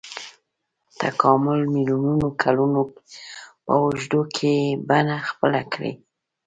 تکامل میلیونونو کلونو په اوږدو کې یې بڼه خپله کړې.